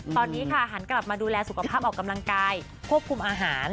ตอนนี้ค่ะหันกลับมาดูแลสุขภาพออกกำลังกายควบคุมอาหาร